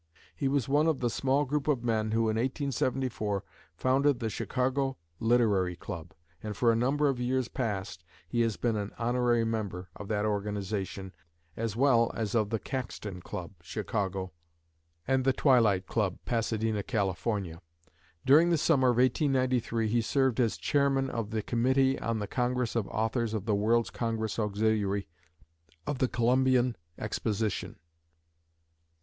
He was one of the small group of men who, in 1874, founded the Chicago Literary Club; and for a number of years past he has been an honorary member of that organization, as well as of the Caxton Club (Chicago) and the Twilight Club (Pasadena, Cal.). During the summer of 1893 he served as Chairman of the Committee on the Congress of Authors of the World's Congress Auxiliary of the Columbian Exposition.